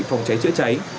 phòng cháy chữa cháy